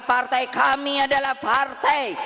partai kami adalah partai